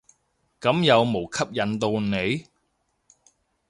咁有無吸引到你？